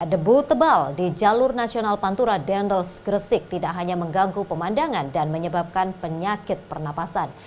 debu tebal di jalur nasional pantura dendels gresik tidak hanya mengganggu pemandangan dan menyebabkan penyakit pernapasan